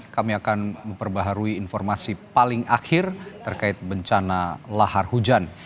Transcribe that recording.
kami akan memperbaharui informasi paling akhir terkait bencana lahar hujan